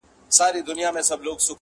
له نیکونو په مېږیانو کي سلطان وو.